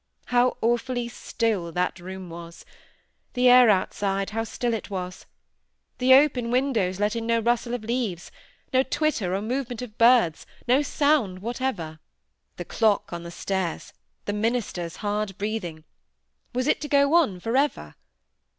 How awfully still that room was! The air outside, how still it was! The open windows let in no rustle of leaves, no twitter or movement of birds—no sound whatever. The clock on the stairs—the minister's hard breathing—was it to go on for ever?